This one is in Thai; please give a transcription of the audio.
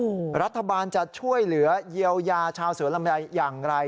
อู้งรัฐบาลจะช่วยเหลวยียวยาชาวสวรรมใหญ่อย่างไร